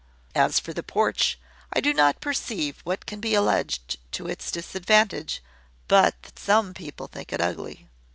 As for the porch, I do not perceive what can be alleged to its disadvantage, but that some people think it ugly.